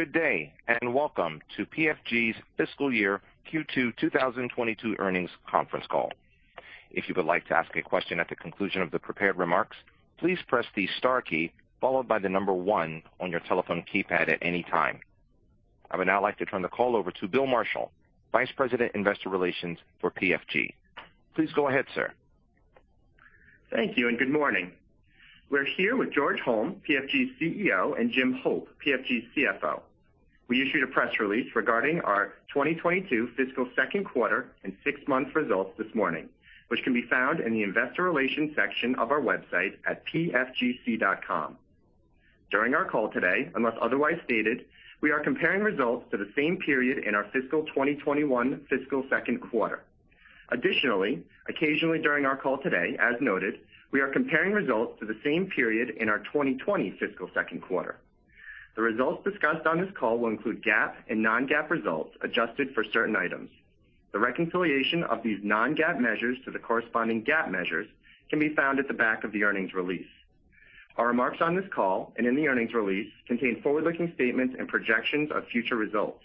Good day, and welcome to PFG's Fiscal Year Q2 2022 Earnings Conference Call. If you would like to ask a question at the conclusion of the prepared remarks, please press the star key followed by one on your telephone keypad at any time. I would now like to turn the call over to Bill Marshall, Vice President, Investor Relations for PFG. Please go ahead, sir. Thank you, and good morning. We're here with George Holm, PFG's CEO, and Jim Hope, PFG's CFO. We issued a press release regarding our 2022 fiscal Q2 and six-month results this morning, which can be found in the Investor Relations section of our website at pfgc.com. During our call today, unless otherwise stated, we are comparing results to the same period in our fiscal 2021 Q2. Additionally, occasionally during our call today, as noted, we are comparing results to the same period in our 2020 fiscal Q2. The results discussed on this call will include GAAP and non-GAAP results adjusted for certain items. The reconciliation of these non-GAAP measures to the corresponding GAAP measures can be found at the back of the earnings release. Our remarks on this call and in the earnings release contain forward-looking statements and projections of future results.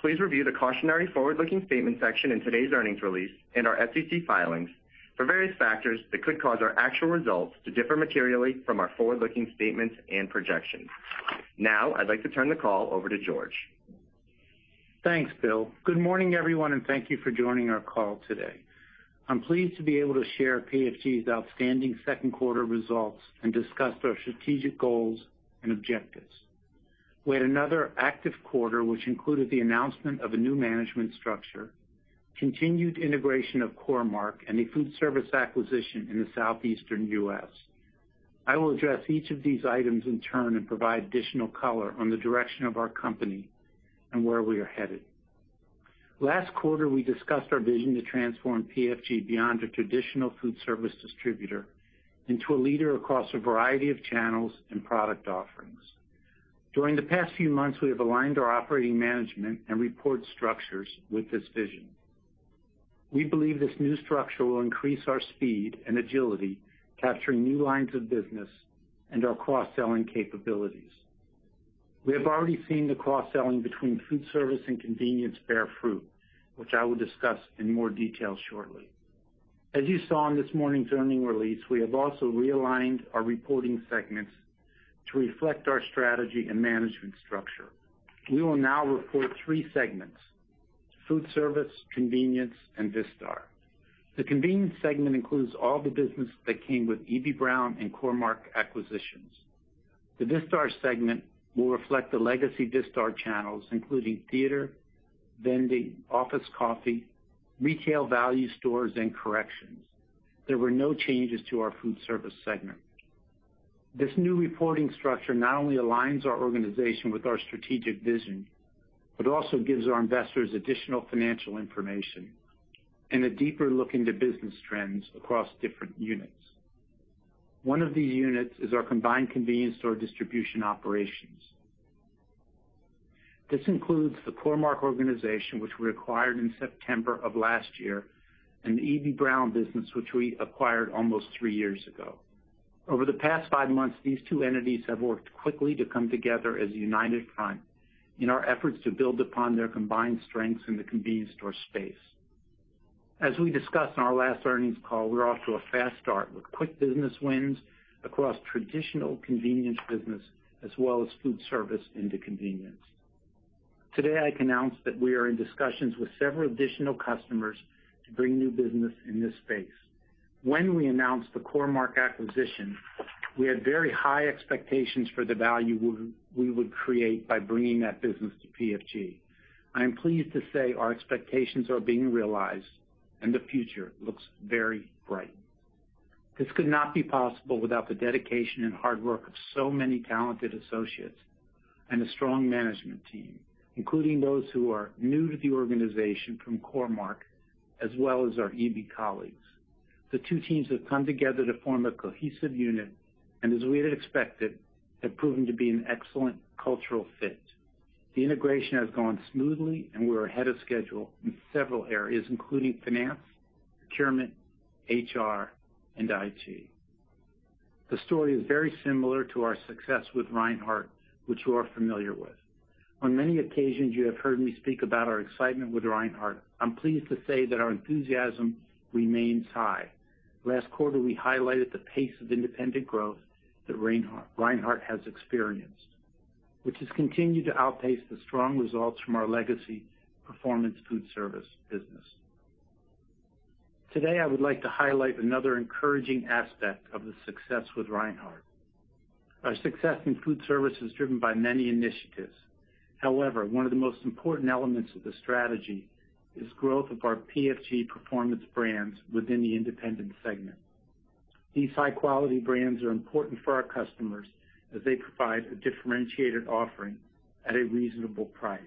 Please review the Cautionary Forward-Looking Statements section in today's earnings release and our SEC filings for various factors that could cause our actual results to differ materially from our forward-looking statements and projections. Now, I'd like to turn the call over to George. Thanks, Bill. Good morning, everyone, and thank you for joining our call today. I'm pleased to be able to share PFG's outstanding Q2 results and discuss our strategic goals and objectives. We had another active quarter, which included the announcement of a new management structure, continued integration of Core-Mark, and the foodservice acquisition in the Southeastern U.S. I will address each of these items in turn and provide additional color on the direction of our company and where we are headed. Last quarter, we discussed our vision to transform PFG beyond a traditional foodservice distributor into a leader across a variety of channels and product offerings. During the past few months, we have aligned our operating management and reporting structures with this vision. We believe this new structure will increase our speed and agility, capturing new lines of business and our cross-selling capabilities. We have already seen the cross-selling between Foodservice and Convenience bear fruit, which I will discuss in more detail shortly. As you saw in this morning's earnings release, we have also realigned our reporting segments to reflect our strategy and management structure. We will now report three segments: Foodservice, Convenience, and Vistar. The Convenience segment includes all the business that came with Eby-Brown and Core-Mark acquisitions. The Vistar segment will reflect the legacy Vistar channels, including theater, vending, office coffee, retail value stores, and corrections. There were no changes to our Foodservice segment. This new reporting structure not only aligns our organization with our strategic vision, but also gives our investors additional financial information and a deeper look into business trends across different units. One of these units is our combined convenience store distribution operations. This includes the Core-Mark organization, which we acquired in September of last year, and the Eby-Brown business, which we acquired almost three years ago. Over the past five months, these two entities have worked quickly to come together as a united front in our efforts to build upon their combined strengths in the convenience store space. As we discussed on our last earnings call, we're off to a fast start with quick business wins across traditional convenience business as well as food service into convenience. Today, I can announce that we are in discussions with several additional customers to bring new business in this space. When we announced the Core-Mark acquisition, we had very high expectations for the value we would create by bringing that business to PFG. I am pleased to say our expectations are being realized and the future looks very bright. This could not be possible without the dedication and hard work of so many talented associates and a strong management team, including those who are new to the organization from Core-Mark, as well as our EB colleagues. The two teams have come together to form a cohesive unit, and as we had expected, have proven to be an excellent cultural fit. The integration has gone smoothly and we're ahead of schedule in several areas, including finance, procurement, HR, and IT. The story is very similar to our success with Reinhart, which you are familiar with. On many occasions, you have heard me speak about our excitement with Reinhart. I'm pleased to say that our enthusiasm remains high. Last quarter, we highlighted the pace of independent growth that Reinhart has experienced, which has continued to outpace the strong results from our legacy Performance Foodservice business. Today, I would like to highlight another encouraging aspect of the success with Reinhart. Our success in food service is driven by many initiatives. However, one of the most important elements of the strategy is growth of our PFG Performance Brands within the independent segment. These high-quality brands are important for our customers as they provide a differentiated offering at a reasonable price.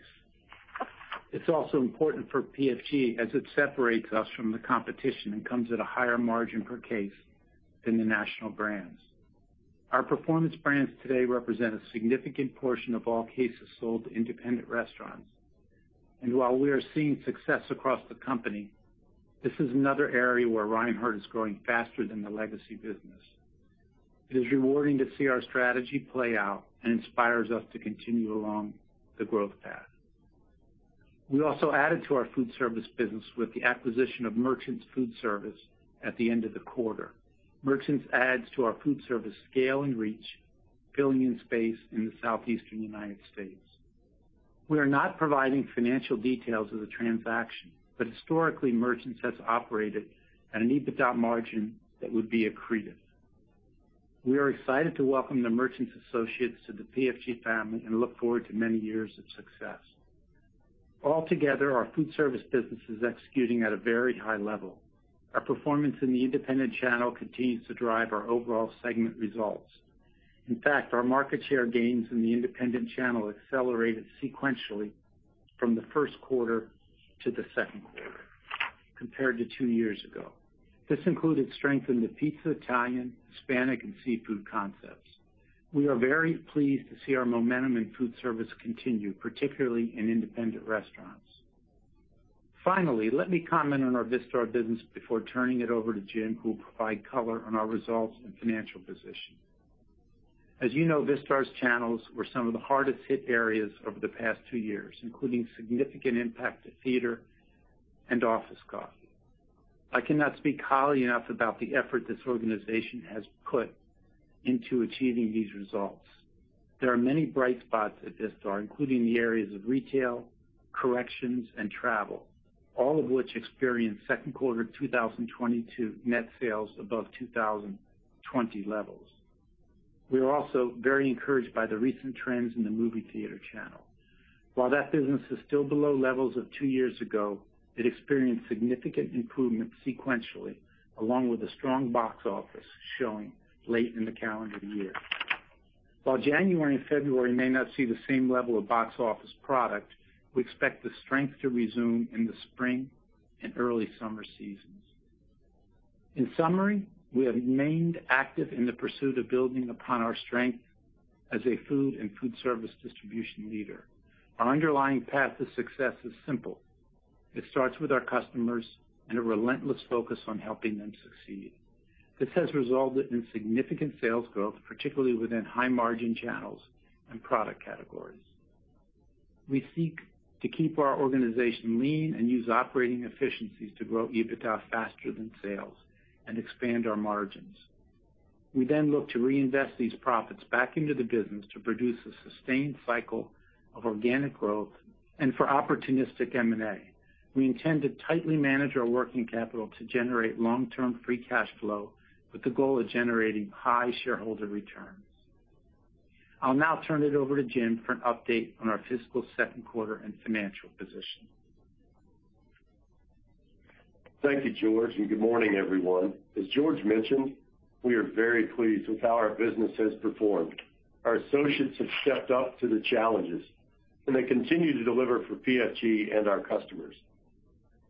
It's also important for PFG as it separates us from the competition and comes at a higher margin per case than the national brands. Our Performance Brands today represent a significant portion of all cases sold to independent restaurants. While we are seeing success across the company, this is another area where Reinhart is growing faster than the legacy business. It is rewarding to see our strategy play out and inspires us to continue along the growth path. We also added to our food service business with the acquisition of Merchants Foodservice at the end of the quarter. Merchants adds to our food service scale and reach, filling in space in the southeastern United States. We are not providing financial details of the transaction, but historically, Merchants has operated at an EBITDA margin that would be accretive. We are excited to welcome the Merchants associates to the PFG family and look forward to many years of success. Altogether, our food service business is executing at a very high level. Our performance in the independent channel continues to drive our overall segment results. In fact, our market share gains in the independent channel accelerated sequentially from the Q1 to the Q2 compared to two years ago. This included strength in the pizza, Italian, Hispanic and seafood concepts. We are very pleased to see our momentum in foodservice continue, particularly in independent restaurants. Finally, let me comment on our Vistar business before turning it over to Jim, who will provide color on our results and financial position. As you know, Vistar's channels were some of the hardest hit areas over the past two years, including significant impact to theater and office coffee. I cannot speak highly enough about the effort this organization has put into achieving these results. There are many bright spots at Vistar, including the areas of retail, corrections, and travel, all of which experienced Q2 2022 net sales above 2020 levels. We are also very encouraged by the recent trends in the movie theater channel. While that business is still below levels of two years ago, it experienced significant improvement sequentially, along with a strong box office showing late in the calendar year. While January and February may not see the same level of box office product, we expect the strength to resume in the spring and early summer seasons. In summary, we have remained active in the pursuit of building upon our strength as a food and food service distribution leader. Our underlying path to success is simple. It starts with our customers and a relentless focus on helping them succeed. This has resulted in significant sales growth, particularly within high-margin channels and product categories. We seek to keep our organization lean and use operating efficiencies to grow EBITDA faster than sales and expand our margins. We look to reinvest these profits back into the business to produce a sustained cycle of organic growth and for opportunistic M&A. We intend to tightly manage our working capital to generate long-term free cash flow with the goal of generating high shareholder returns. I'll now turn it over to Jim for an update on our fiscal Q2 and financial position. Thank you, George, and good morning, everyone. As George mentioned, we are very pleased with how our business has performed. Our associates have stepped up to the challenges, and they continue to deliver for PFG and our customers.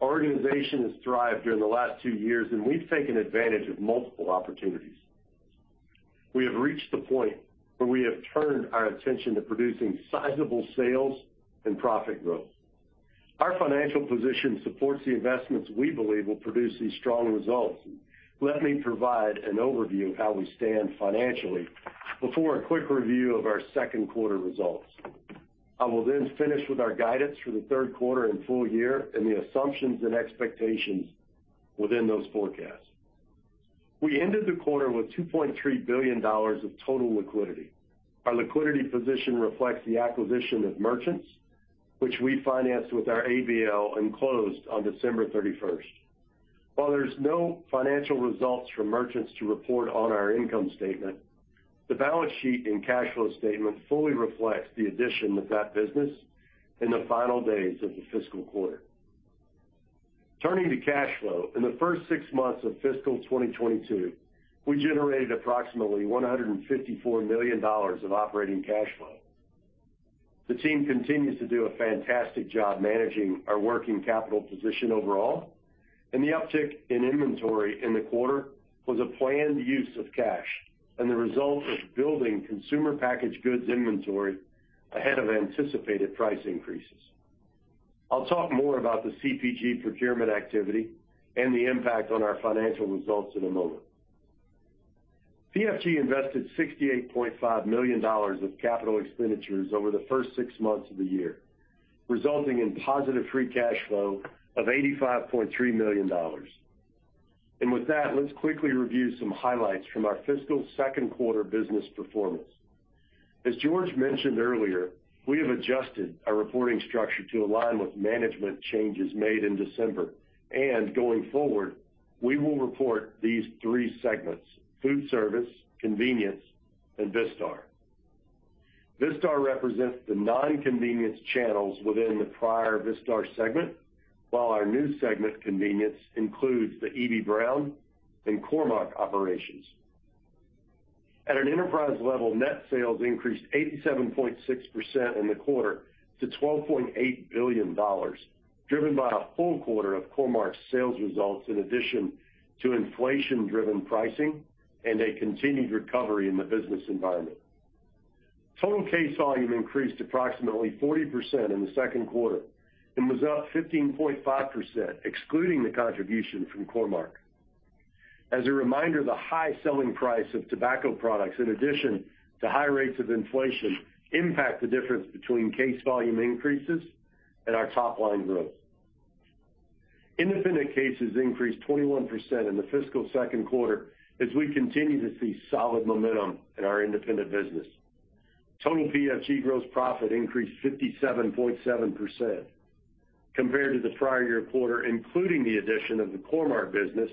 Our organization has thrived during the last two years, and we've taken advantage of multiple opportunities. We have reached the point where we have turned our attention to producing sizable sales and profit growth. Our financial position supports the investments we believe will produce these strong results. Let me provide an overview of how we stand financially before a quick review of our Q2 results. I will then finish with our guidance for the Q3 and full year and the assumptions and expectations within those forecasts. We ended the quarter with $2.3 billion of total liquidity. Our liquidity position reflects the acquisition of Merchants, which we financed with our ABL and closed on December 31st. While there's no financial results for Merchants to report on our income statement, the balance sheet and cash flow statement fully reflects the addition of that business in the final days of the fiscal quarter. Turning to cash flow, in the first six months of fiscal 2022, we generated approximately $154 million of operating cash flow. The team continues to do a fantastic job managing our working capital position overall, and the uptick in inventory in the quarter was a planned use of cash and the result of building consumer packaged goods inventory ahead of anticipated price increases. I'll talk more about the CPG procurement activity and the impact on our financial results in a moment. PFG invested $68.5 million of capital expenditures over the first six months of the year, resulting in positive free cash flow of $85.3 million. With that, let's quickly review some highlights from our fiscal Q2 business performance. As George mentioned earlier, we have adjusted our reporting structure to align with management changes made in December. Going forward, we will report these three segments. Foodservice, Convenience, and Vistar. Vistar represents the non-convenience channels within the prior Vistar segment, while our new segment, Convenience, includes the Eby-Brown and Core-Mark operations. At an enterprise level, net sales increased 87.6% in the quarter to $12.8 billion, driven by a full quarter of Core-Mark's sales results in addition to inflation-driven pricing and a continued recovery in the business environment. Total case volume increased approximately 40% in the Q2 and was up 15.5%, excluding the contribution from Core-Mark. As a reminder, the high selling price of tobacco products, in addition to high rates of inflation, impact the difference between case volume increases and our top line growth. Independent cases increased 21% in the fiscal Q2 as we continue to see solid momentum in our independent business. Total PFG gross profit increased 57.7% compared to the prior year quarter, including the addition of the Core-Mark business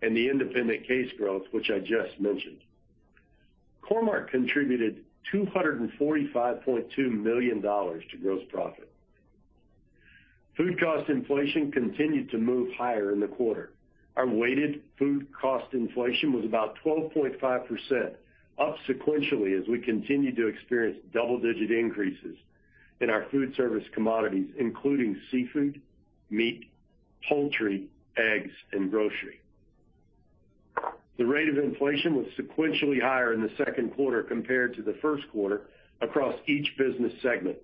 and the independent case growth, which I just mentioned. Core-Mark contributed $245.2 million to gross profit. Food cost inflation continued to move higher in the quarter. Our weighted food cost inflation was about 12.5%, up sequentially as we continue to experience double-digit increases in our food service commodities, including seafood, meat, poultry, eggs and grocery. The rate of inflation was sequentially higher in the Q2 compared to the Q1 across each business segment.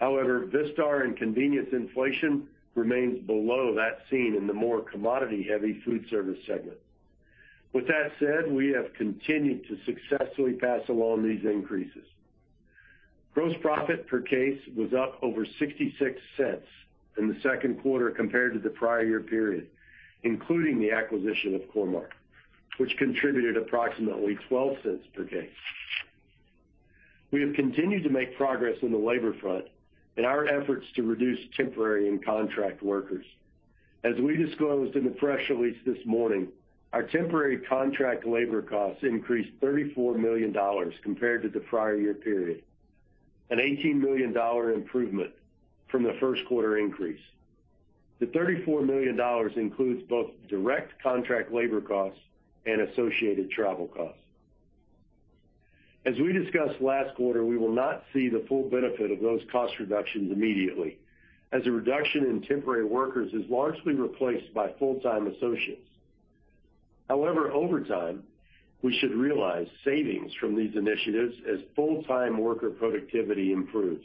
However, Vistar and convenience inflation remains below that seen in the more commodity-heavy food service segment. With that said, we have continued to successfully pass along these increases. Gross profit per case was up over $0.66 in the Q2 compared to the prior year period, including the acquisition of Core-Mark, which contributed approximately $0.12 per case. We have continued to make progress on the labor front in our efforts to reduce temporary and contract workers. As we disclosed in the press release this morning, our temporary contract labor costs increased $34 million compared to the prior year period, an $18 million improvement from the Q1 increase. The $34 million includes both direct contract labor costs and associated travel costs. As we discussed last quarter, we will not see the full benefit of those cost reductions immediately, as a reduction in temporary workers is largely replaced by full-time associates. However, over time, we should realize savings from these initiatives as full-time worker productivity improves.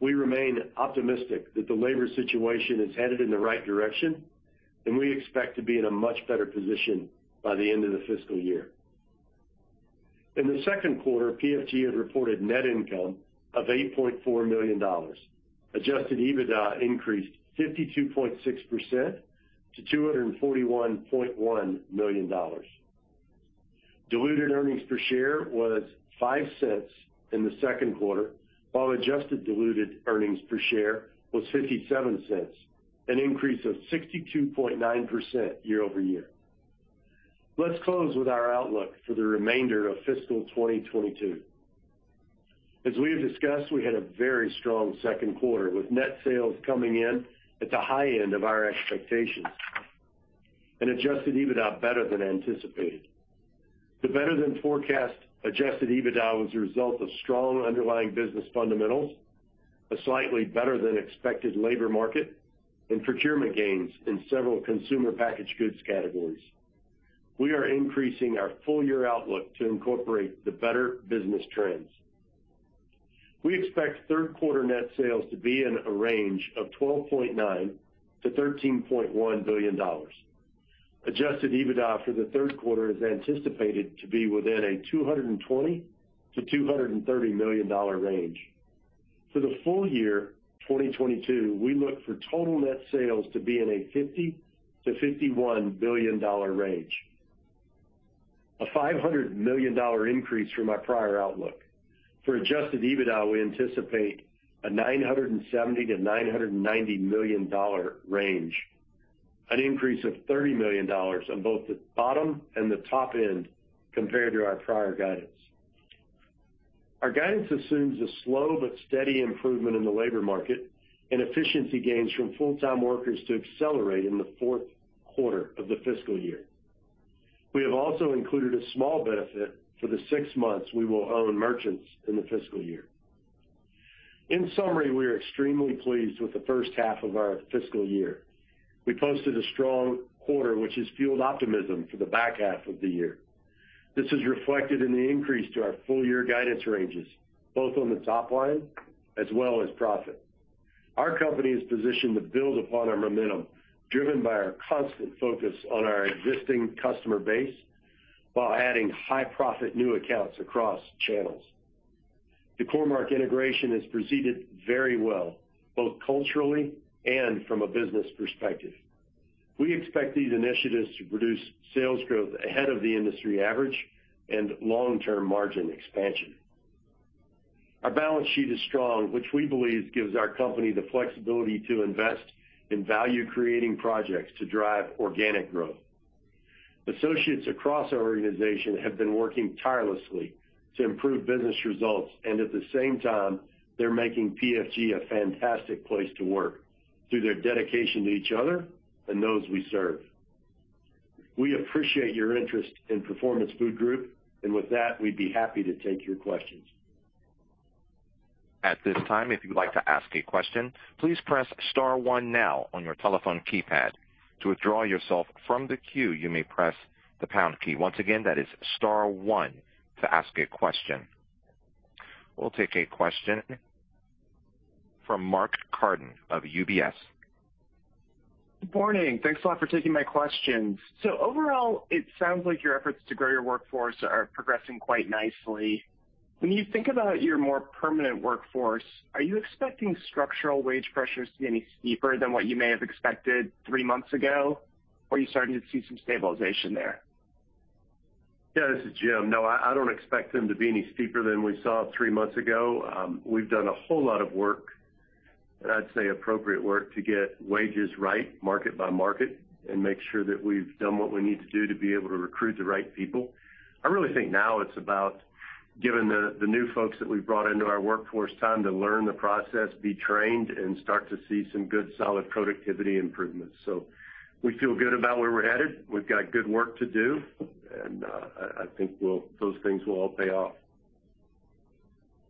We remain optimistic that the labor situation is headed in the right direction, and we expect to be in a much better position by the end of the fiscal year. In the Q2, PFG had reported net income of $8.4 million. Adjusted EBITDA increased 52.6% to $241.1 million. Diluted earnings per share was $0.05 in the Q2, while adjusted diluted earnings per share was $0.57, an increase of 62.9% year-over-year. Let's close with our outlook for the remainder of fiscal 2022. As we have discussed, we had a very strong Q2, with net sales coming in at the high end of our expectations and adjusted EBITDA better than anticipated. The better-than-forecast adjusted EBITDA was a result of strong underlying business fundamentals, a slightly better than expected labor market and procurement gains in several consumer packaged goods categories. We are increasing our full year outlook to incorporate the better business trends. We expect Q3 net sales to be in a range of $12.9 billion-$13.1 billion. Adjusted EBITDA for the Q3 is anticipated to be within a $220 million-$230 million range. For the full year 2022, we look for total net sales to be in a $50 billion-$51 billion range, a $500 million increase from our prior outlook. For adjusted EBITDA, we anticipate a $970 million-$990 million range, an increase of $30 million on both the bottom and the top end compared to our prior guidance. Our guidance assumes a slow but steady improvement in the labor market and efficiency gains from full-time workers to accelerate in the Q4 of the fiscal year. We have also included a small benefit for the six months we will own Merchants in the fiscal year. In summary, we are extremely pleased with the H1 of our fiscal year. We posted a strong quarter, which has fueled optimism for the back half of the year. This is reflected in the increase to our full year guidance ranges, both on the top line as well as profit. Our company is positioned to build upon our momentum, driven by our constant focus on our existing customer base while adding high profit new accounts across channels. The Core-Mark integration has proceeded very well, both culturally and from a business perspective. We expect these initiatives to produce sales growth ahead of the industry average and long-term margin expansion. Our balance sheet is strong, which we believe gives our company the flexibility to invest in value creating projects to drive organic growth. Associates across our organization have been working tirelessly to improve business results and at the same time, they're making PFG a fantastic place to work through their dedication to each other and those we serve. We appreciate your interest in Performance Food Group, and with that, we'd be happy to take your questions. At this time, if you'd like to ask a question, please press star one now on your telephone keypad. To withdraw yourself from the queue, you may press the pound key. Once again, that is star one to ask a question. We'll take a question from Mark Carden of UBS. Good morning. Thanks a lot for taking my questions. Overall, it sounds like your efforts to grow your workforce are progressing quite nicely. When you think about your more permanent workforce, are you expecting structural wage pressures to be any steeper than what you may have expected three months ago? Or are you starting to see some stabilization there? Yeah, this is Jim. No, I don't expect them to be any steeper than we saw three months ago. We've done a whole lot of work, and I'd say appropriate work to get wages right market by market and make sure that we've done what we need to do to be able to recruit the right people. I really think now it's about giving the new folks that we've brought into our workforce time to learn the process, be trained, and start to see some good, solid productivity improvements. We feel good about where we're headed. We've got good work to do, and I think those things will all pay off.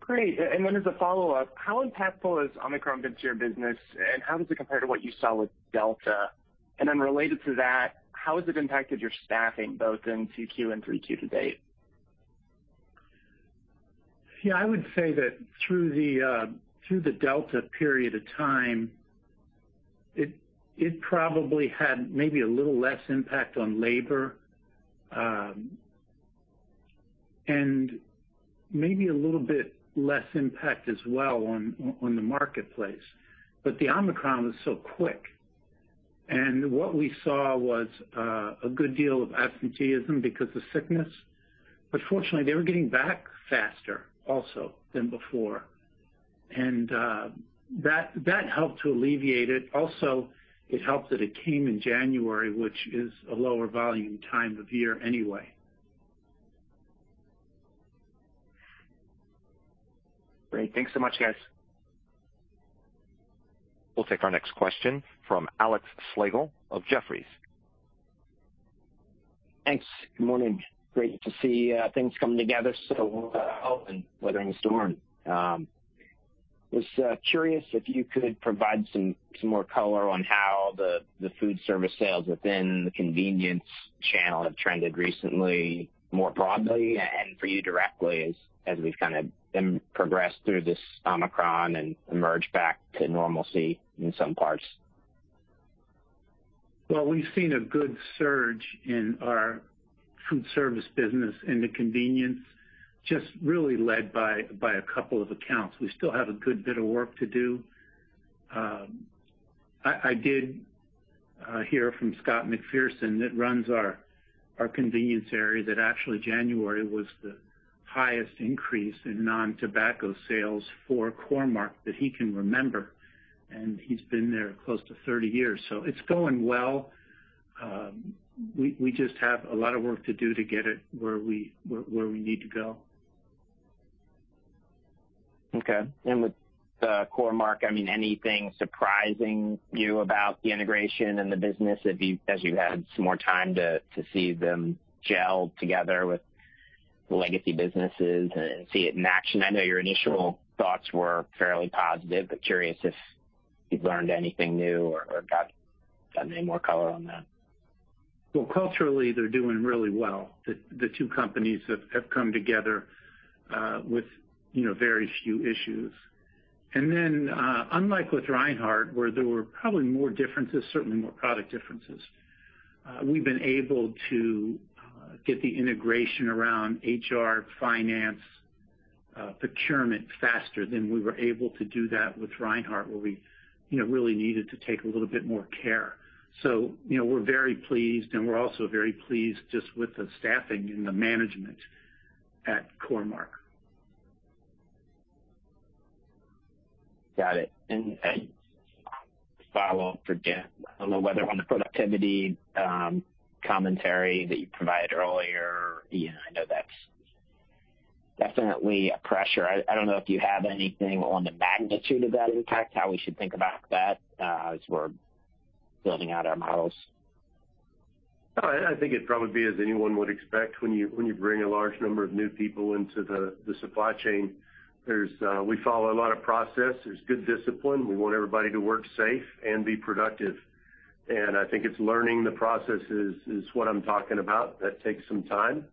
Great. As a follow-up, how impactful has Omicron been to your business, and how does it compare to what you saw with Delta? Related to that, how has it impacted your staffing both in 2Q and 3Q to date? Yeah, I would say that through the Delta period of time, it probably had maybe a little less impact on labor, and maybe a little bit less impact as well on the marketplace. The Omicron was so quick, and what we saw was a good deal of absenteeism because of sickness. Fortunately, they were getting back faster also than before. That helped to alleviate it. Also, it helped that it came in January, which is a lower volume time of year anyway. Great. Thanks so much, guys. We'll take our next question from Alex Slagle of Jefferies. Thanks. Good morning. Great to see things coming together so well and weathering the storm. Was curious if you could provide some more color on how the food service sales within the convenience channel have trended recently, more broadly and for you directly as we've kind of been progressed through this Omicron and emerged back to normalcy in some parts. Well, we've seen a good surge in our food service business in the convenience, just really led by a couple of accounts. We still have a good bit of work to do. I did hear from Scott McPherson that runs our convenience area that actually January was the highest increase in non-tobacco sales for Core-Mark that he can remember, and he's been there close to 30 years. It's going well. We just have a lot of work to do to get it where we need to go. Okay. With Core-Mark, I mean, anything surprising you about the integration and the business as you've had some more time to see them gel together with legacy businesses and see it in action? I know your initial thoughts were fairly positive, but curious if you've learned anything new or got any more color on that? Well, culturally, they're doing really well. The two companies have come together with you know very few issues. Unlike with Reinhart, where there were probably more differences, certainly more product differences, we've been able to get the integration around HR, finance, procurement faster than we were able to do that with Reinhart, where we you know really needed to take a little bit more care. You know, we're very pleased, and we're also very pleased just with the staffing and the management at Core-Mark. Got it. A follow-up for Jim. I don't know whether on the productivity commentary that you provided earlier, you know, I know that's definitely a pressure. I don't know if you have anything on the magnitude of that impact, how we should think about that, as we're building out our models? No, I think it'd probably be as anyone would expect when you bring a large number of new people into the supply chain. We follow a lot of process. There's good discipline. We want everybody to work safe and be productive. I think it's learning the processes is what I'm talking about. That takes some time.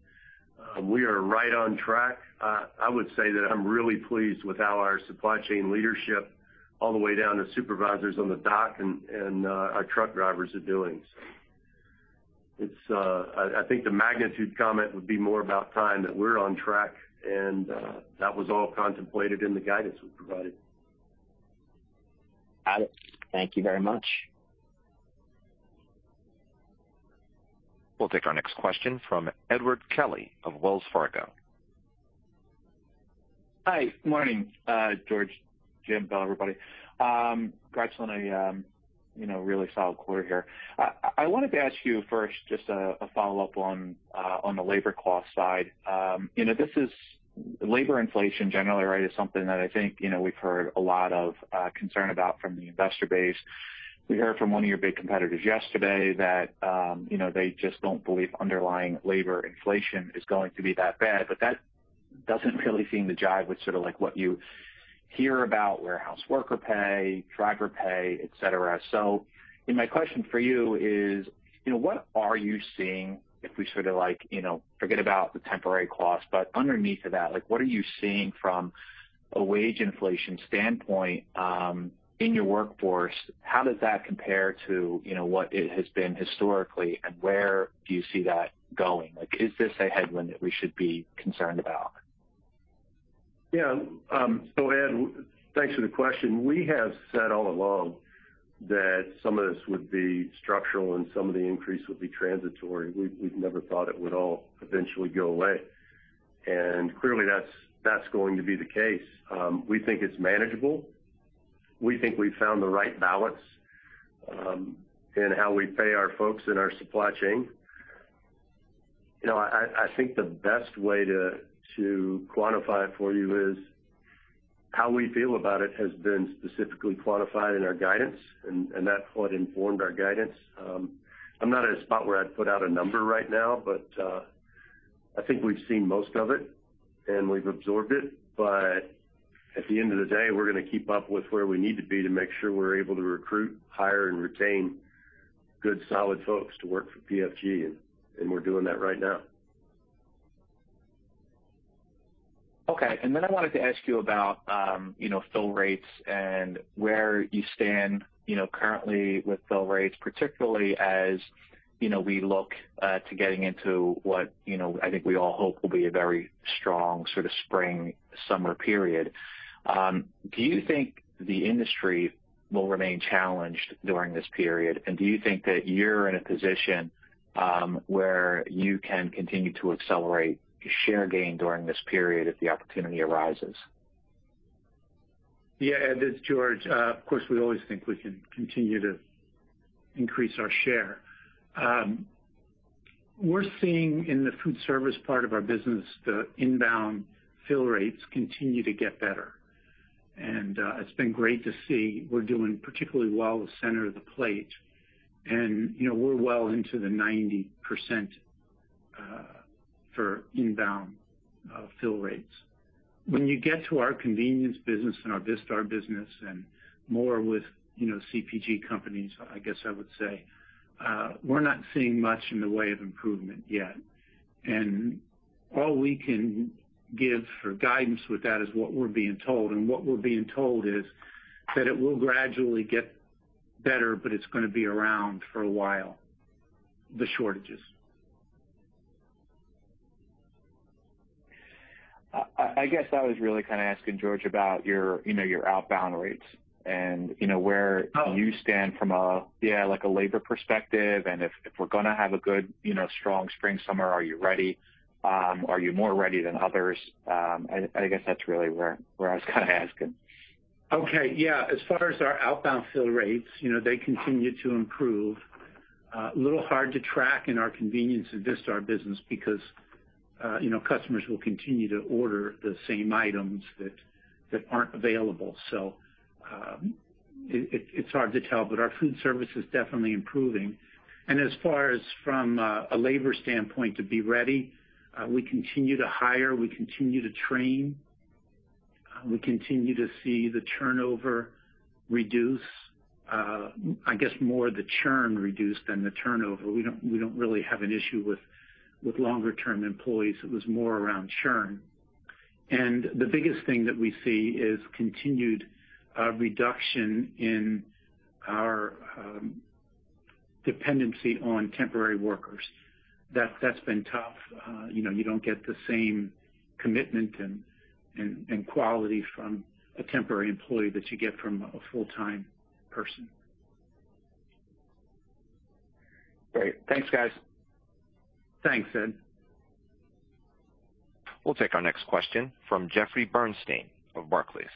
We are right on track. I would say that I'm really pleased with how our supply chain leadership all the way down to supervisors on the dock and our truck drivers are doing. It's, I think the magnitude comment would be more about time that we're on track and that was all contemplated in the guidance we provided. Got it. Thank you very much. We'll take our next question from Edward Kelly of Wells Fargo. Hi. Morning, George, Jim, Bill, everybody. Congrats on a you know really solid quarter here. I wanted to ask you first just a follow-up on the labor cost side. You know, this is labor inflation generally, right, is something that I think, you know, we've heard a lot of concern about from the investor base. We heard from one of your big competitors yesterday that, you know, they just don't believe underlying labor inflation is going to be that bad, but that doesn't really seem to jive with sort of like what you hear about warehouse worker pay, driver pay, et cetera. My question for you is, you know, what are you seeing if we sort of like, you know, forget about the temporary cost, but underneath of that, like what are you seeing from a wage inflation standpoint, in your workforce? How does that compare to, you know, what it has been historically, and where do you see that going? Like, is this a headwind that we should be concerned about? Yeah. So Ed, thanks for the question. We have said all along that some of this would be structural and some of the increase would be transitory. We've never thought it would all eventually go away. Clearly that's going to be the case. We think it's manageable. We think we've found the right balance in how we pay our folks in our supply chain. You know, I think the best way to quantify it for you is how we feel about it has been specifically quantified in our guidance, and that's what informed our guidance. I'm not at a spot where I'd put out a number right now, but I think we've seen most of it, and we've absorbed it. At the end of the day, we're gonna keep up with where we need to be to make sure we're able to recruit, hire, and retain good, solid folks to work for PFG, and we're doing that right now. Okay. Then I wanted to ask you about, you know, fill rates and where you stand, you know, currently with fill rates, particularly as, you know, we look to getting into what, you know, I think we all hope will be a very strong sort of spring, summer period. Do you think the industry will remain challenged during this period? Do you think that you're in a position, where you can continue to accelerate share gain during this period if the opportunity arises? Yeah. Ed, it's George. Of course, we always think we can continue to increase our share. We're seeing in the foodservice part of our business, the inbound fill rates continue to get better. It's been great to see. We're doing particularly well with center of the plate. You know, we're well into the 90% for inbound fill rates. When you get to our convenience business and our Vistar business and more with, you know, CPG companies, I guess I would say, we're not seeing much in the way of improvement yet. All we can give for guidance with that is what we're being told, and what we're being told is that it will gradually get better, but it's gonna be around for a while, the shortages. I guess I was really kinda asking, George, about your, you know, your outbound rates and, you know, where. Oh. Do you stand from a labor perspective. If we're gonna have a good, you know, strong spring, summer, are you ready? Are you more ready than others? I guess that's really where I was kinda asking. Okay. Yeah. As far as our outbound fill rates, you know, they continue to improve. A little hard to track in our Convenience and Vistar business because, you know, customers will continue to order the same items that aren't available. It's hard to tell, but our food service is definitely improving. As far as from a labor standpoint to be ready, we continue to hire, we continue to train, we continue to see the turnover reduce. I guess more of the churn reduce than the turnover. We don't really have an issue with longer term employees. It was more around churn. The biggest thing that we see is continued reduction in our dependency on temporary workers. That's been tough. You know, you don't get the same commitment and quality from a temporary employee that you get from a full-time person. Great. Thanks, guys. Thanks, Ed. We'll take our next question from Jeffrey Bernstein of Barclays.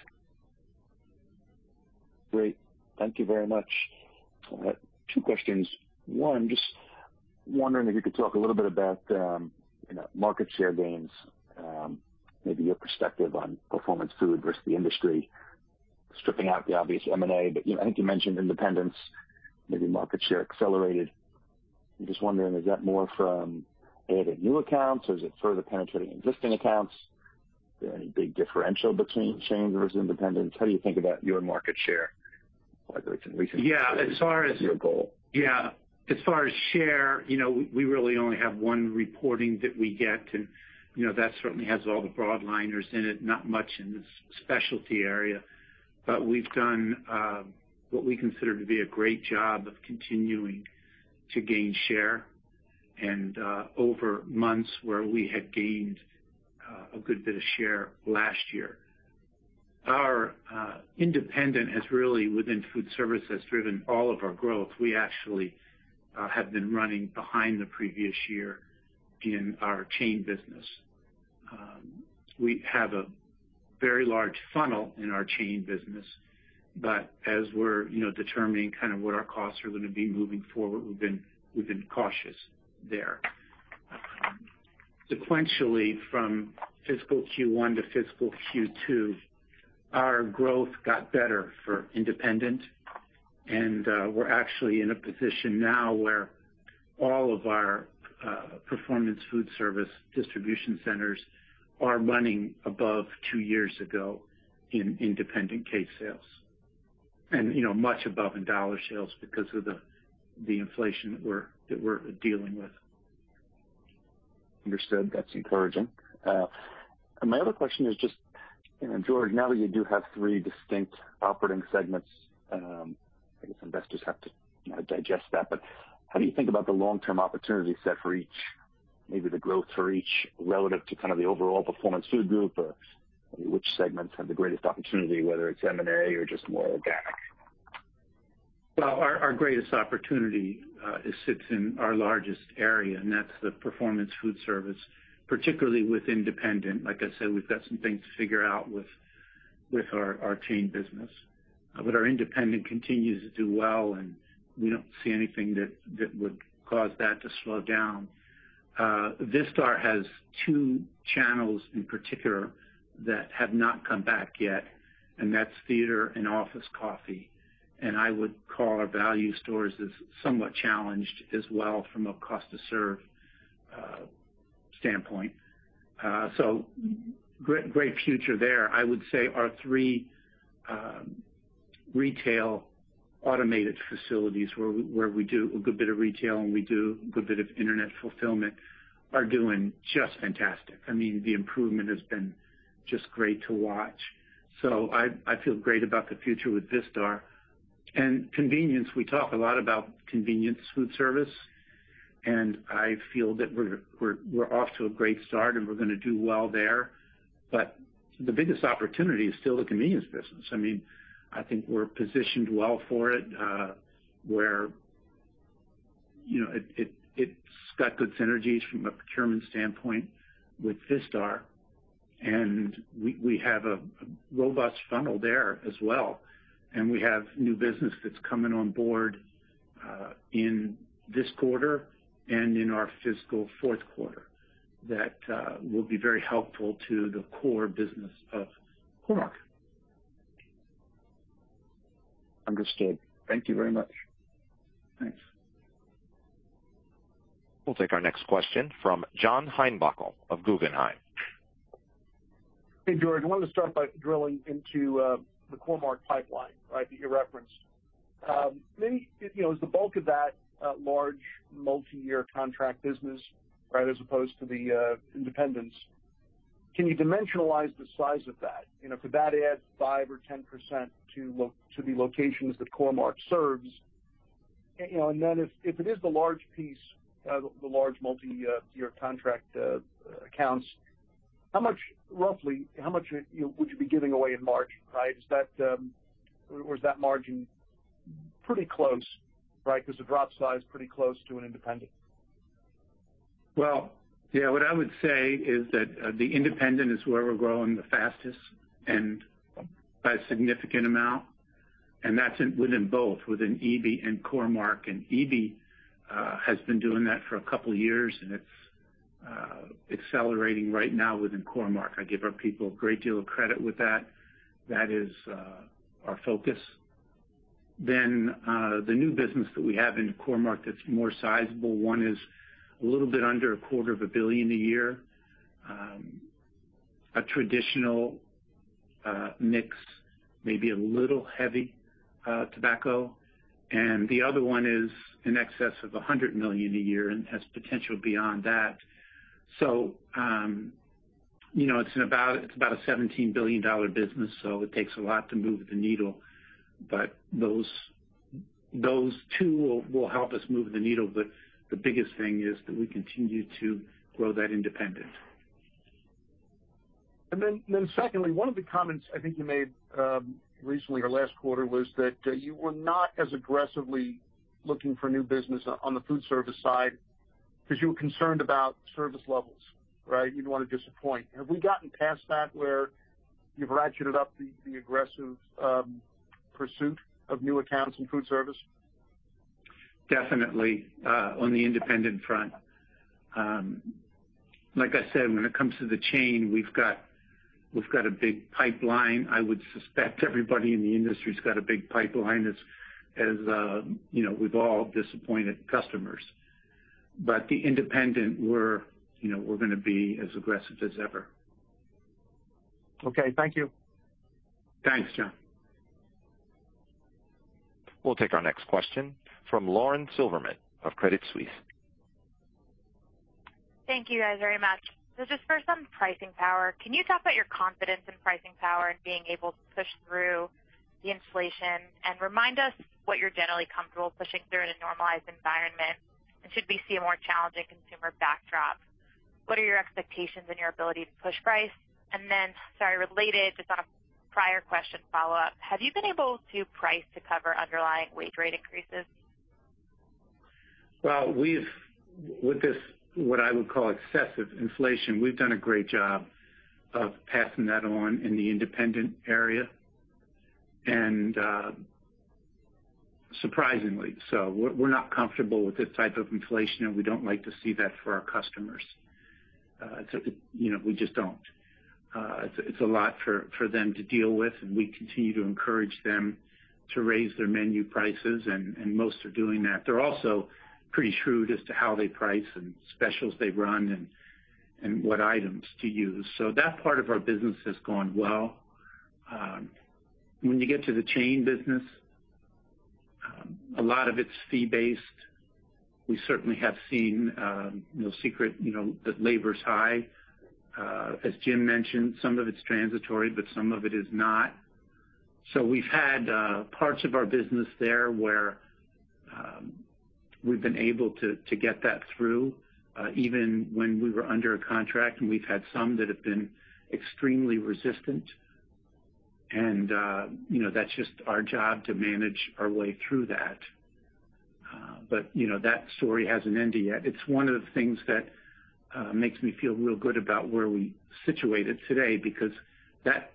Great. Thank you very much. I have two questions. One, just wondering if you could talk a little bit about, you know, market share gains, maybe your perspective on Performance Food versus the industry, stripping out the obvious M&A. You know, I think you mentioned independents, maybe market share accelerated. I'm just wondering, is that more from adding new accounts, or is it further penetrating existing accounts? Are there any big differential between chain versus independents? How do you think about your market share, like, in recent years? Yeah, as far as. Your goal? Yeah. As far as share, you know, we really only have one reporting that we get and, you know, that certainly has all the broadliners in it, not much in the specialty area. We've done what we consider to be a great job of continuing to gain share and over months where we had gained a good bit of share last year. Our independent has really, within food service, has driven all of our growth. We actually have been running behind the previous year in our chain business. We have a very large funnel in our chain business. But as we're, you know, determining kind of what our costs are gonna be moving forward, we've been cautious there. Sequentially, from fiscal Q1 to fiscal Q2, our growth got better for independent. We're actually in a position now where all of our Performance Foodservice distribution centers are running above two years ago in independent case sales. You know, much above in dollar sales because of the inflation that we're dealing with. Understood. That's encouraging. My other question is just, you know, George, now that you do have three distinct operating segments, I guess investors have to, you know, digest that. But how do you think about the long-term opportunity set for each, maybe the growth for each relative to kind of the overall Performance Food Group? Which segments have the greatest opportunity, whether it's M&A or just more organic? Well, our greatest opportunity sits in our largest area, and that's the Performance Foodservice, particularly with independent. Like I said, we've got some things to figure out with our chain business. Our independent continues to do well, and we don't see anything that would cause that to slow down. Vistar has two channels in particular that have not come back yet, and that's theater and office coffee. I would call our value stores as somewhat challenged as well from a cost to serve standpoint. Great future there. I would say our three retail automated facilities where we do a good bit of retail and we do a good bit of internet fulfillment are doing just fantastic. I mean, the improvement has been just great to watch. I feel great about the future with Vistar. Convenience, we talk a lot about convenience food service, and I feel that we're off to a great start, and we're gonna do well there. The biggest opportunity is still the convenience business. I mean, I think we're positioned well for it, where, you know, it's got good synergies from a procurement standpoint with Vistar. We have a robust funnel there as well, and we have new business that's coming on board in this quarter and in our fiscal Q4 that will be very helpful to the core business of Core-Mark. Understood. Thank you very much. Thanks. We'll take our next question from John Heinbockel of Guggenheim. Hey, George. I wanted to start by drilling into the Core-Mark pipeline, right, that you referenced. You know, is the bulk of that large multi-year contract business, right, as opposed to the independents? Can you dimensionalize the size of that? You know, could that add 5 or 10% to the locations that Core-Mark serves? You know, and then if it is the large piece, the large multi-year contract accounts, roughly how much you know, would you be giving away in margin, right? Is that or is that margin pretty close, right? Is the drop size pretty close to an independent? Well, yeah. What I would say is that the independent is where we're growing the fastest and by a significant amount, and that's within both Eby-Brown and Core-Mark. Eby-Brown has been doing that for a couple years, and it's accelerating right now within Core-Mark. I give our people a great deal of credit with that. That is our focus. The new business that we have in Core-Mark that's more sizable, one is a little bit under a quarter of a billion dollars a year, a traditional mix, maybe a little heavy tobacco. The other one is in excess of $100 million a year and has potential beyond that. You know, it's about a $17 billion business, so it takes a lot to move the needle. Those two will help us move the needle, but the biggest thing is that we continue to grow that independent. Secondly, one of the comments I think you made, recently or last quarter was that, you were not as aggressively looking for new business on the food service side 'cause you were concerned about service levels, right? You didn't wanna disappoint. Have we gotten past that where you've ratcheted up the aggressive pursuit of new accounts in food service? Definitely on the independent front. Like I said, when it comes to the chain, we've got a big pipeline. I would suspect everybody in the industry's got a big pipeline, you know, we've all disappointed customers. The independent, you know, we're gonna be as aggressive as ever. Okay. Thank you. Thanks, John. We'll take our next question from Lauren Silberman of Credit Suisse. Thank you guys very much. Just for some pricing power, can you talk about your confidence in pricing power and being able to push through the inflation? Remind us what you're generally comfortable pushing through in a normalized environment. Should we see a more challenging consumer backdrop, what are your expectations and your ability to push price? Sorry, related, just on a prior question follow-up, have you been able to price to cover underlying wage rate increases? Well, we've with this, what I would call excessive inflation, we've done a great job of passing that on in the independent area and, surprisingly so. We're not comfortable with this type of inflation, and we don't like to see that for our customers. It's. You know, we just don't. It's a lot for them to deal with, and we continue to encourage them to raise their menu prices, and most are doing that. They're also pretty shrewd as to how they price and specials they run and what items to use. So that part of our business has gone well. When you get to the chain business, a lot of it's fee-based. We certainly have seen no secret, you know, that labor's high. As Jim mentioned, some of it's transitory, but some of it is not. We've had parts of our business there where we've been able to get that through even when we were under a contract, and we've had some that have been extremely resistant. You know, that's just our job to manage our way through that. You know, that story hasn't ended yet. It's one of the things that makes me feel real good about where we situated today because that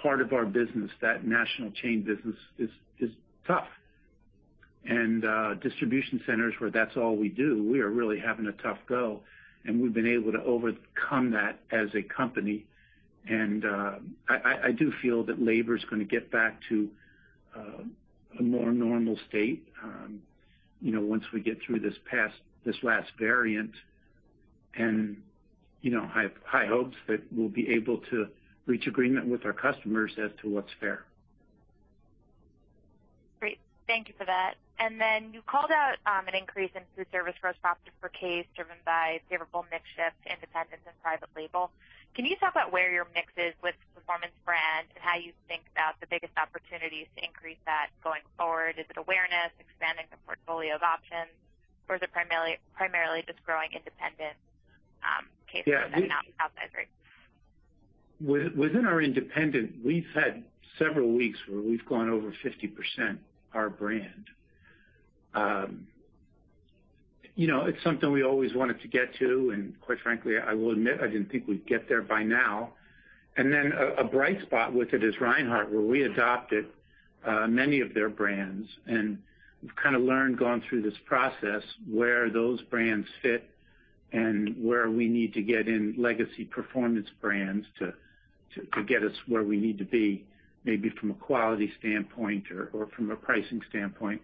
part of our business, that national chain business is tough. Distribution centers where that's all we do, we are really having a tough go, and we've been able to overcome that as a company. I do feel that labor's gonna get back to a more normal state, you know, once we get through this last variant. You know, I have high hopes that we'll be able to reach agreement with our customers as to what's fair. Great. Thank you for that. Then you called out an increase in foodservice gross profit per case driven by favorable mix shift to independents and private label. Can you talk about where your mix is with Performance Brands and how you think about the biggest opportunities to increase that going forward? Is it awareness, expanding the portfolio of options, or is it primarily just growing independent case? Yeah. Within our independent, we've had several weeks where we've gone over 50% our brand. You know, it's something we always wanted to get to, and quite frankly, I will admit I didn't think we'd get there by now. A bright spot with it is Reinhart, where we adopted many of their brands. We've kinda learned going through this process where those brands fit and where we need to get in legacy Performance Brands to get us where we need to be, maybe from a quality standpoint or from a pricing standpoint.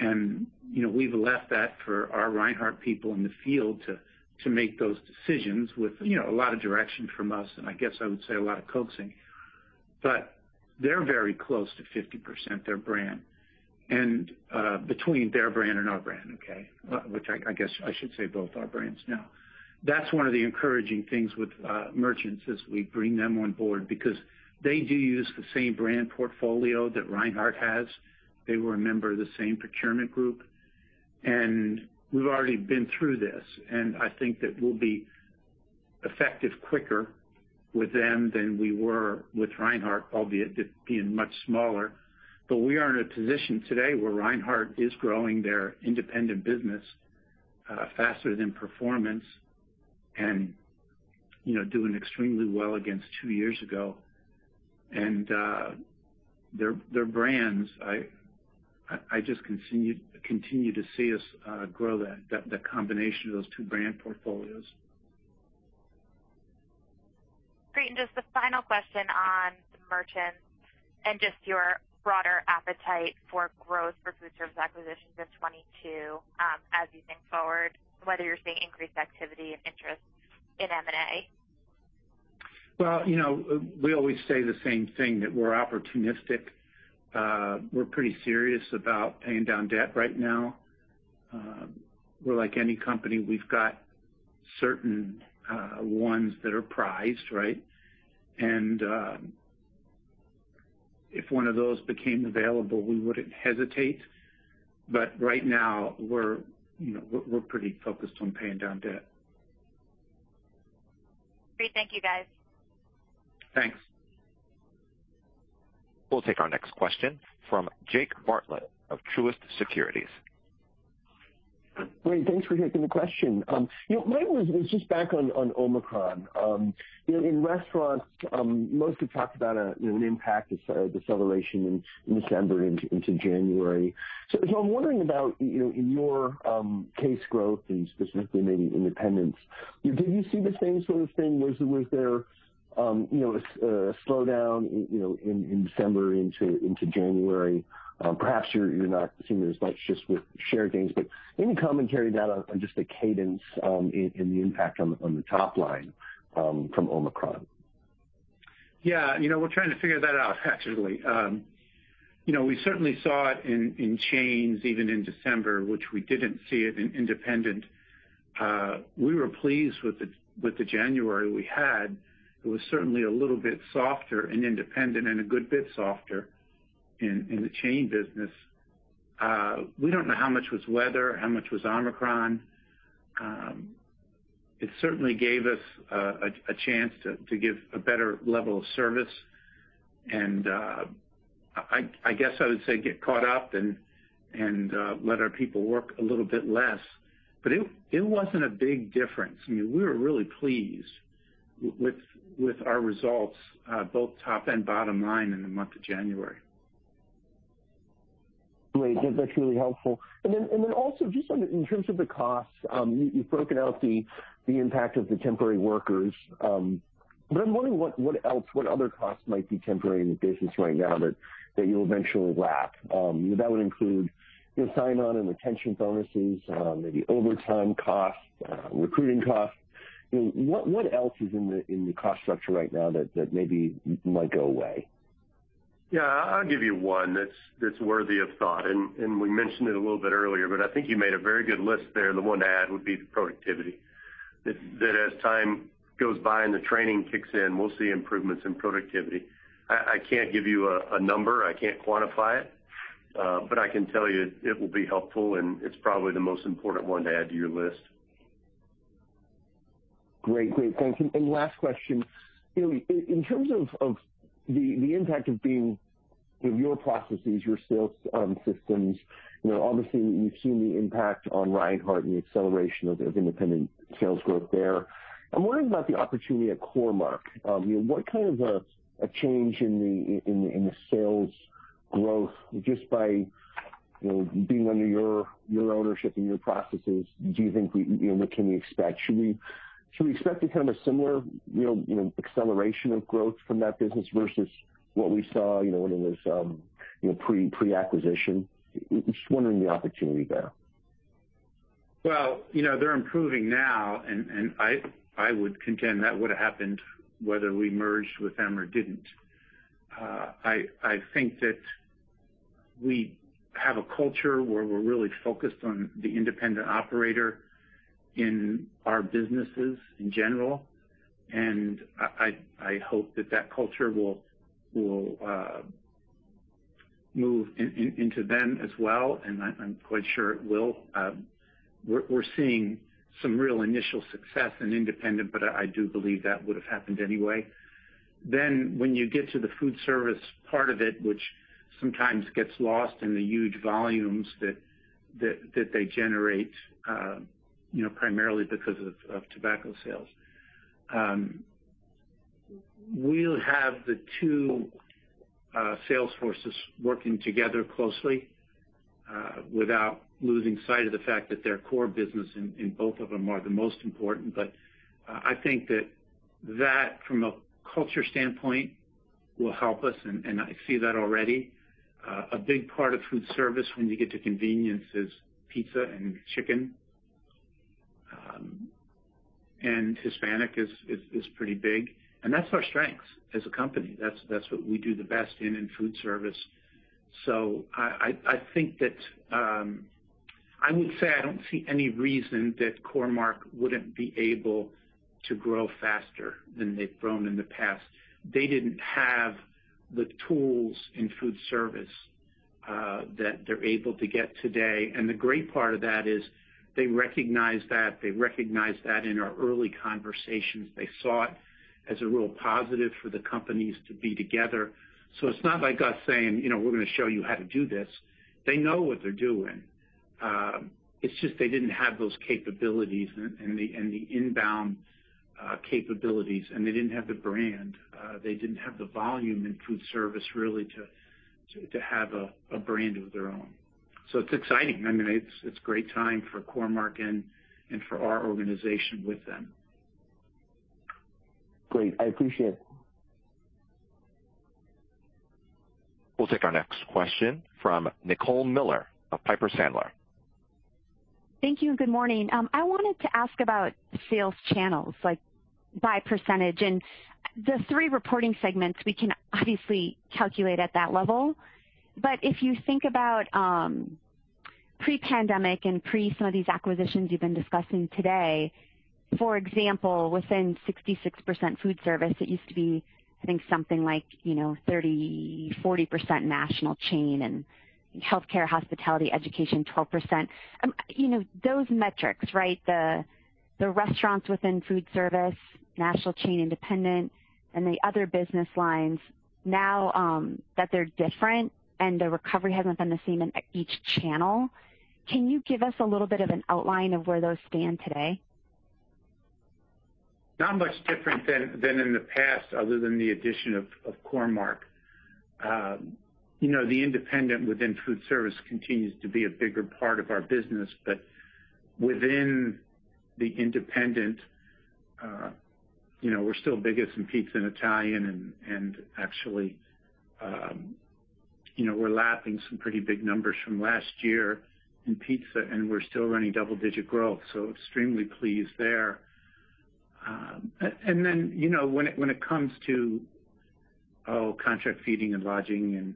You know, we've left that for our Reinhart people in the field to make those decisions with a lot of direction from us and I guess I would say a lot of coaxing. They're very close to 50% their brand. Between their brand and our brand, okay? Which I guess I should say both our brands now. That's one of the encouraging things with Merchants as we bring them on board because they do use the same brand portfolio that Reinhart has. They were a member of the same procurement group. We've already been through this, and I think that we'll be effective quicker with them than we were with Reinhart, albeit it being much smaller. But we are in a position today where Reinhart is growing their independent business faster than Performance and, you know, doing extremely well against two years ago. Their brands, I just continue to see us grow the combination of those two brand portfolios. Great. Just a final question on the Merchants and just your broader appetite for growth for food service acquisitions in 2022, as you think forward, whether you're seeing increased activity and interest in M&A. Well, you know, we always say the same thing, that we're opportunistic. We're pretty serious about paying down debt right now. We're like any company. We've got certain ones that are prized, right? If one of those became available, we wouldn't hesitate. Right now we're, you know, pretty focused on paying down debt. Great. Thank you, guys. Thanks. We'll take our next question from Jake Bartlett of Truist Securities. Great. Thanks for taking the question. You know, mine was just back on Omicron. You know, in restaurants, most have talked about a you know, an impact, a sort of deceleration in December into January. I'm wondering about you know, in your case growth and specifically maybe independents. Did you see the same sort of thing? Was there you know, a slowdown in you know, in December into January? Perhaps you're not seeing it as much just with share gains. But any commentary on that, on just the cadence, and the impact on the top line from Omicron? Yeah. You know, we're trying to figure that out actually. You know, we certainly saw it in chains even in December, which we didn't see it in independent. We were pleased with the January we had. It was certainly a little bit softer in independent and a good bit softer in the chain business. We don't know how much was weather, how much was Omicron. It certainly gave us a chance to give a better level of service and I guess I would say get caught up and let our people work a little bit less. It wasn't a big difference. I mean, we were really pleased with our results both top and bottom line in the month of January. Great. That's really helpful. Also just in terms of the cost, you've broken out the impact of the temporary workers. I'm wondering what else, what other costs might be temporary in the business right now that you'll eventually lap, that would include, you know, sign-on and retention bonuses, maybe overtime costs, recruiting costs. You know, what else is in the cost structure right now that maybe might go away? Yeah. I'll give you one that's worthy of thought, and we mentioned it a little bit earlier, but I think you made a very good list there. The one to add would be the productivity. That as time goes by and the training kicks in, we'll see improvements in productivity. I can't give you a number, I can't quantify it, but I can tell you it will be helpful, and it's probably the most important one to add to your list. Great. Thank you. Last question. You know, in terms of the impact of being with your processes, your sales systems, you know, obviously you've seen the impact on Reinhart and the acceleration of independent sales growth there. I'm wondering about the opportunity at Core-Mark. You know, what kind of a change in the sales growth just by, you know, being under your ownership and your processes, do you think you know, what can we expect? Should we expect a kind of a similar, you know, acceleration of growth from that business versus what we saw, you know, when it was, you know, pre-acquisition? Just wondering the opportunity there. Well, you know, they're improving now, and I would contend that would've happened whether we merged with them or didn't. I think that we have a culture where we're really focused on the independent operator in our businesses in general, and I hope that culture will move into them as well, and I'm quite sure it will. We're seeing some real initial success in independent, but I do believe that would've happened anyway. When you get to the food service part of it, which sometimes gets lost in the huge volumes that they generate, you know, primarily because of tobacco sales, we'll have the two sales forces working together closely, without losing sight of the fact that their core business in both of them are the most important. I think that from a culture standpoint will help us, and I see that already. A big part of foodservice when you get to convenience is pizza and chicken, and Hispanic is pretty big, and that's our strengths as a company. That's what we do the best in foodservice. I think that I would say I don't see any reason that Core-Mark wouldn't be able to grow faster than they've grown in the past. They didn't have the tools in foodservice that they're able to get today. The great part of that is they recognize that. They recognized that in our early conversations. They saw it as a real positive for the companies to be together. It's not like us saying, "You know, we're gonna show you how to do this." They know what they're doing. It's just they didn't have those capabilities and the inbound capabilities, and they didn't have the brand. They didn't have the volume in food service really to have a brand of their own. It's exciting. I mean, it's great time for Core-Mark and for our organization with them. Great. I appreciate it. We'll take our next question from Nicole Miller of Piper Sandler. Thank you. Good morning. I wanted to ask about sales channels like by percentage. The three reporting segments we can obviously calculate at that level. If you think about pre-pandemic and pre some of these acquisitions you've been discussing today. For example, within 66% foodservice, it used to be, I think, something like, you know, 30%, 40% national chain and healthcare, hospitality, education, 12%. You know, those metrics, right? The restaurants within foodservice, national chain, independent, and the other business lines now that they're different and the recovery hasn't been the same in each channel. Can you give us a little bit of an outline of where those stand today? Not much different than in the past other than the addition of Core-Mark. You know, the independent within food service continues to be a bigger part of our business, but within the independent, you know, we're still biggest in pizza and Italian and actually, you know, we're lapping some pretty big numbers from last year in pizza, and we're still running double-digit growth, so extremely pleased there. You know, when it comes to contract feeding and lodging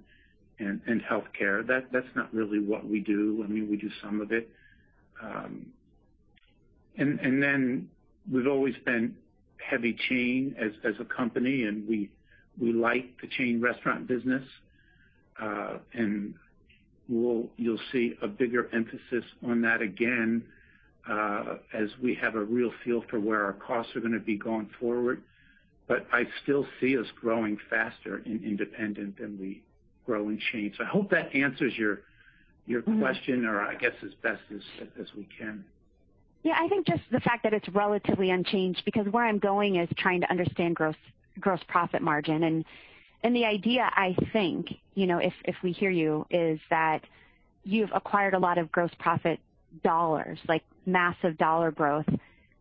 and healthcare, that's not really what we do. I mean, we do some of it. We've always been heavy in chain as a company, and we like the chain restaurant business. You'll see a bigger emphasis on that again as we have a real feel for where our costs are gonna be going forward. I still see us growing faster in independent than we grow in chain. I hope that answers your question, or I guess as best as we can. Yeah, I think just the fact that it's relatively unchanged, because where I'm going is trying to understand gross profit margin. The idea, I think, you know, if we hear you, is that you've acquired a lot of gross profit dollars, like massive dollar growth.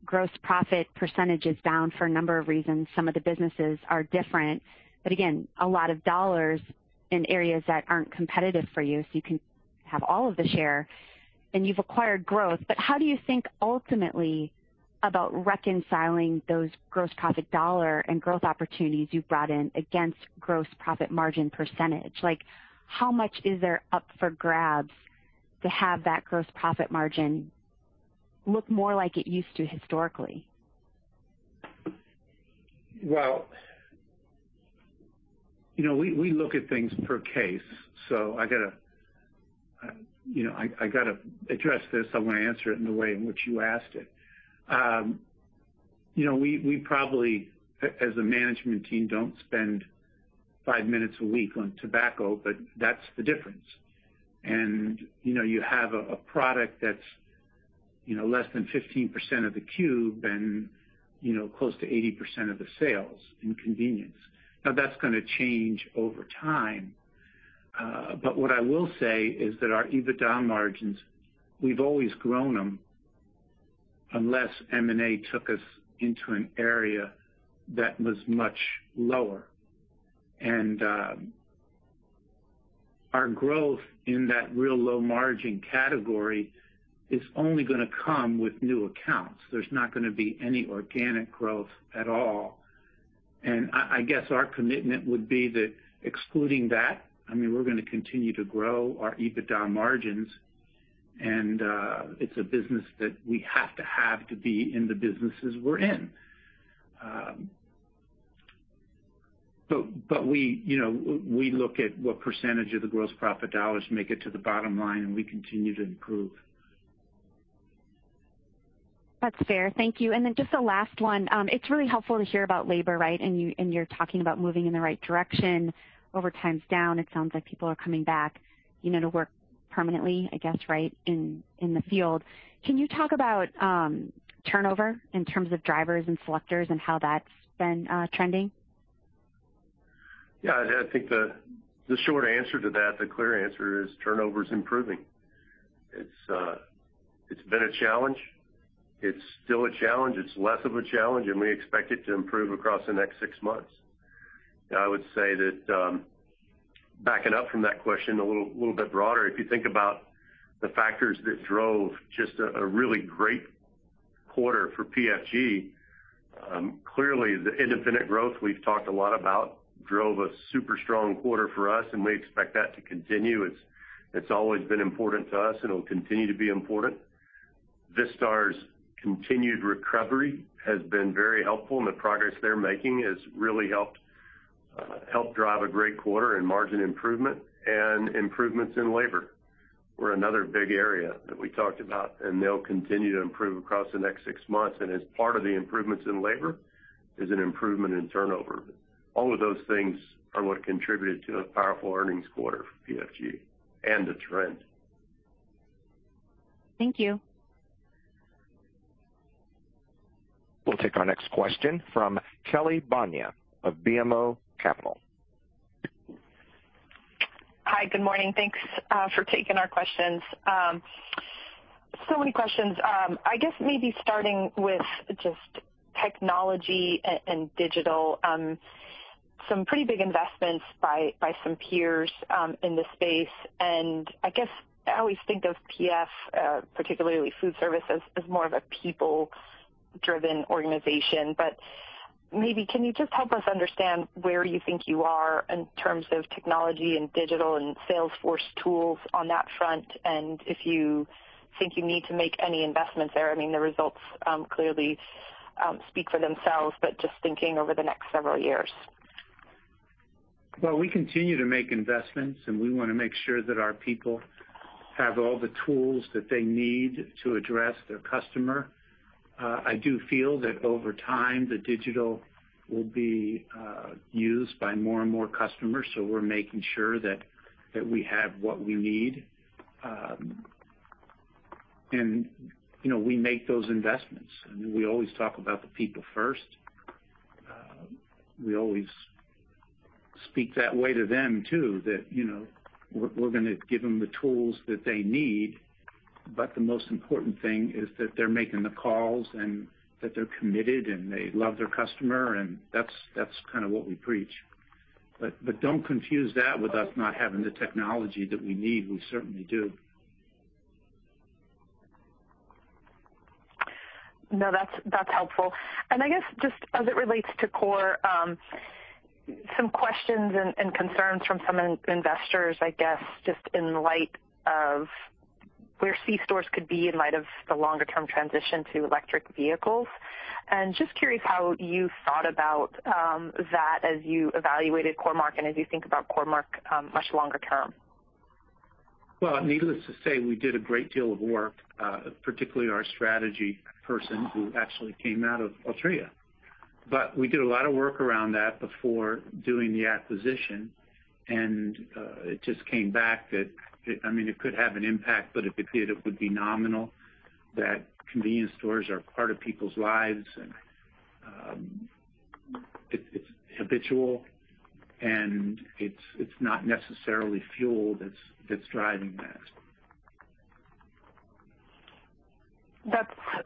Gross profit percentage is down for a number of reasons. Some of the businesses are different. Again, a lot of dollars in areas that aren't competitive for you, so you can have all of the share, and you've acquired growth. How do you think ultimately about reconciling those gross profit dollar and growth opportunities you've brought in against gross profit margin percentage? Like, how much is there up for grabs to have that gross profit margin look more like it used to historically? Well, you know, we look at things per case. So I gotta address this. I wanna answer it in the way in which you asked it. You know, we probably, as a management team, don't spend five minutes a week on tobacco, but that's the difference. You know, you have a product that's less than 15% of the cube and close to 80% of the sales in convenience. Now, that's gonna change over time. But what I will say is that our EBITDA margins, we've always grown them unless M&A took us into an area that was much lower. Our growth in that real low margin category is only gonna come with new accounts. There's not gonna be any organic growth at all. I guess our commitment would be that excluding that, I mean, we're gonna continue to grow our EBITDA margins, and it's a business that we have to have to be in the businesses we're in. But we, you know, we look at what percentage of the gross profit dollars make it to the bottom line, and we continue to improve. That's fair. Thank you. Just the last one. It's really helpful to hear about labor, right? You're talking about moving in the right direction. Overtime's down. It sounds like people are coming back, you know, to work permanently, I guess, right, in the field. Can you talk about turnover in terms of drivers and selectors and how that's been trending? Yeah, I think the short answer to that, the clear answer is turnover is improving. It's been a challenge. It's still a challenge. It's less of a challenge, and we expect it to improve across the next six months. I would say that, backing up from that question a little bit broader, if you think about the factors that drove just a really great quarter for PFG, clearly, the independent growth we've talked a lot about drove a super strong quarter for us, and we expect that to continue. It's always been important to us, and it'll continue to be important. Vistar's continued recovery has been very helpful, and the progress they're making has really helped drive a great quarter in margin improvement. Improvements in labor were another big area that we talked about, and they'll continue to improve across the next six months. As part of the improvements in labor is an improvement in turnover. All of those things are what contributed to a powerful earnings quarter for PFG and a trend. Thank you. We'll take our next question from Kelly Bania of BMO Capital. Hi, good morning. Thanks for taking our questions. Many questions. I guess maybe starting with just technology and digital, some pretty big investments by some peers in the space. I guess I always think of PFG, particularly Foodservice, as more of a people-driven organization. Maybe you can just help us understand where you think you are in terms of technology and digital and sales force tools on that front, and if you think you need to make any investments there. I mean, the results clearly speak for themselves, but just thinking over the next several years. Well, we continue to make investments, and we wanna make sure that our people have all the tools that they need to address their customer. I do feel that over time, the digital will be used by more and more customers, so we're making sure that we have what we need. You know, we make those investments. I mean, we always talk about the people first. We always speak that way to them too, that you know, we're gonna give them the tools that they need, but the most important thing is that they're making the calls and that they're committed, and they love their customer, and that's kinda what we preach. Don't confuse that with us not having the technology that we need. We certainly do. No, that's helpful. I guess just as it relates to Core-Mark, some questions and concerns from some investors, I guess, just in light of where c-stores could be in light of the longer term transition to electric vehicles. Just curious how you thought about that as you evaluated Core-Mark and as you think about Core-Mark much longer term. Well, needless to say, we did a great deal of work, particularly our strategy person who actually came out of Altria. We did a lot of work around that before doing the acquisition, and it just came back that, I mean, it could have an impact, but if it did, it would be nominal, that convenience stores are part of people's lives and it's habitual and it's not necessarily fuel that's driving that.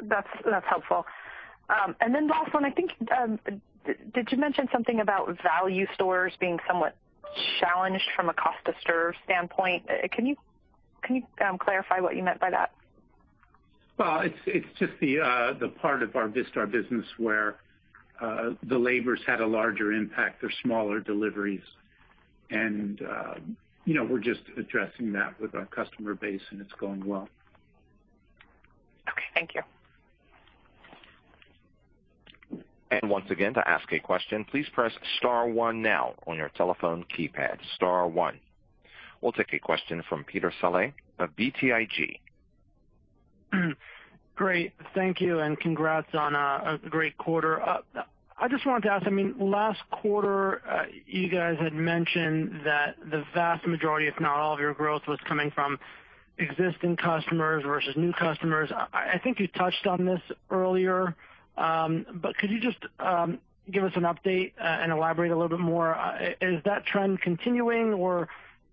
That's helpful. Then last one, I think, did you mention something about value stores being somewhat challenged from a cost to serve standpoint? Can you clarify what you meant by that? Well, it's just the part of our Vistar business where the labor's had a larger impact or smaller deliveries and you know, we're just addressing that with our customer base and it's going well. Okay, thank you. Once again to ask a question please press star one now on your telephone keypad. Star one. We'll take a question from Peter Saleh of BTIG. Great. Thank you, and congrats on a great quarter. I just wanted to ask, I mean, last quarter, you guys had mentioned that the vast majority, if not all of your growth, was coming from existing customers versus new customers. I think you touched on this earlier, but could you just give us an update, and elaborate a little bit more? Is that trend continuing, or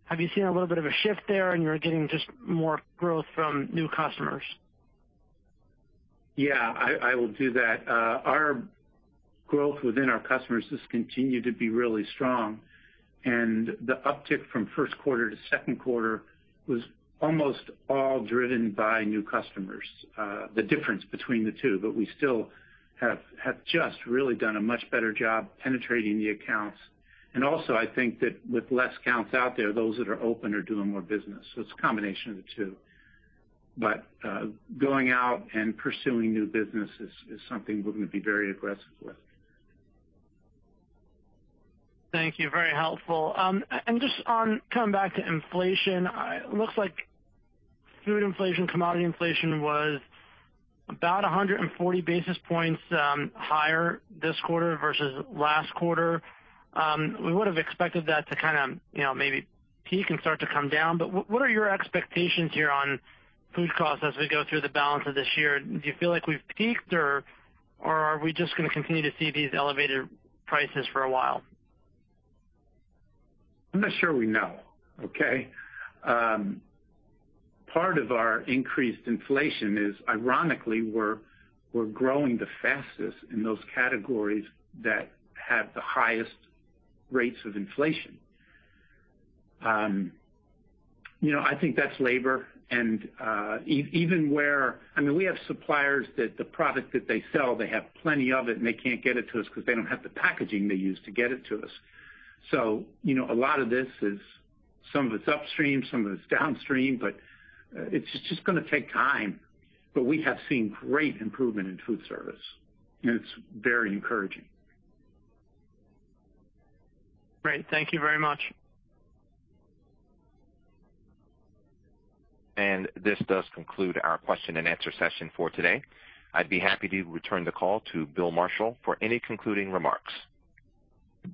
have you seen a little bit of a shift there and you're getting just more growth from new customers? Yeah, I will do that. Our growth within our customers has continued to be really strong, and the uptick from Q1 to Q2 was almost all driven by new customers, the difference between the two. We still have just really done a much better job penetrating the accounts. Also I think that with less accounts out there, those that are open are doing more business. It's a combination of the two. Going out and pursuing new business is something we're gonna be very aggressive with. Thank you. Very helpful. Just on coming back to inflation, it looks like food inflation, commodity inflation was about 140 basis points higher this quarter versus last quarter. We would've expected that to kinda, you know, maybe peak and start to come down. What are your expectations here on food costs as we go through the balance of this year? Do you feel like we've peaked or are we just gonna continue to see these elevated prices for a while? I'm not sure we know. Okay? Part of our increased inflation is, ironically, we're growing the fastest in those categories that have the highest rates of inflation. You know, I think that's labor. I mean, we have suppliers that the product that they sell, they have plenty of it and they can't get it to us 'cause they don't have the packaging they use to get it to us. You know, a lot of this is some of it's upstream, some of it's downstream, but it's just gonna take time. We have seen great improvement in foodservice, and it's very encouraging. Great. Thank you very much. This does conclude our question and answer session for today. I'd be happy to return the call to Bill Marshall for any concluding remarks.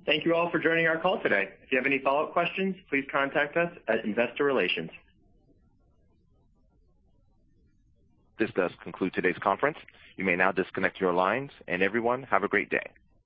Thank you all for joining our call today. If you have any follow-up questions, please contact us at Investor Relations. This does conclude today's conference. You may now disconnect your lines. Everyone, have a great day.